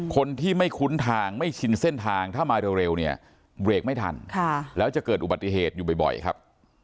คนที่ไม่คุ้นทางไม่ชินเส้นทางถ้ามาเร็วเนี่ยเบรกไม่ทันแล้วจะเกิดอุบัติเหตุอยู่บ่อยครับ